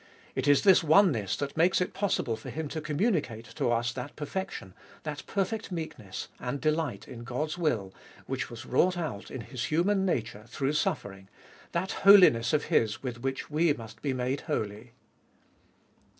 It is this oneness that makes it possible for Him to communicate to us that perfection, that perfect meekness and delight in God's will, which was wrought out in His human nature through suffering, that holiness of His with which we must be made holy.